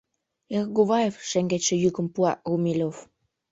— Эргуваев! — шеҥгечше йӱкым пуа Румелёв.